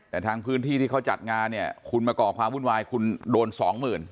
แต่ทางพื้นที่ที่เขาจัดงานเนี่ยคุณมาก่อความวุ่นวายคุณโดนสองหมื่น